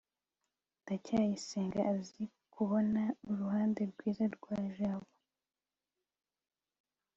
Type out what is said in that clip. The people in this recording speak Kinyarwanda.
ndacyayisenga azi kubona uruhande rwiza rwa jabo